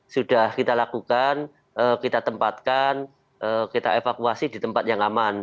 sudah kita lakukan kita tempatkan kita evakuasi di tempat yang aman